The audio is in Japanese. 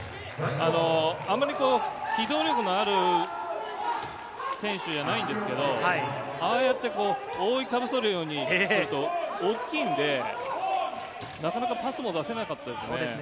あまり機動力のある選手じゃないんですけど、ああやって覆いかぶさるようにすると、大きいので、なかなかパスも出せなかったですね。